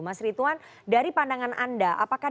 mas rituan dari pandangan anda apakah